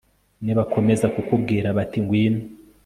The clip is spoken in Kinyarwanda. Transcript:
nibakomeza kukubwira bati ngwino